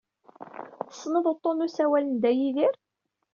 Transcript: Tessned uḍḍun n usawal n Dda Yidir?